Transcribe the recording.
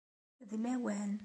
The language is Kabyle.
D lawan.